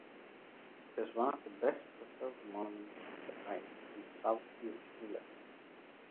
It is one of the best-preserved monuments of this type in south east England.